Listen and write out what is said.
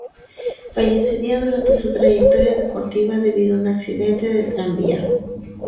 Fallecería durante su trayectoria deportiva debido a un accidente de tranvía.